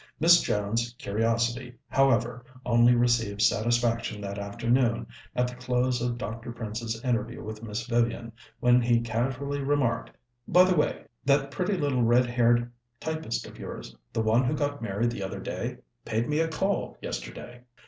Miss Jones's curiosity, however, only received satisfaction that afternoon, at the close of Dr. Prince's interview with Miss Vivian, when he casually remarked: "By the way, that pretty little red haired typist of yours, the one who got married the other day, paid me a call yesterday."